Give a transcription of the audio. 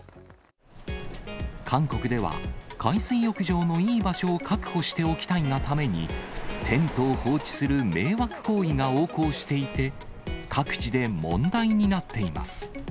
韓国では、海水浴場のいい場所を確保しておきたいがために、テントを放置する迷惑行為が横行していて、各地で問題になっています。